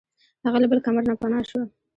هغه له بل کمر نه پناه شوه.